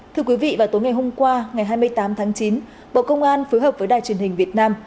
thưa quý vị vào tối ngày hôm qua ngày hai mươi tám tháng chín bộ công an phối hợp với đài truyền hình việt nam